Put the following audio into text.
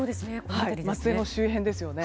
松江の周辺ですね。